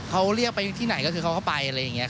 เขาเรียกไปที่ไหนก็คือเขาก็ไปอะไรอย่างนี้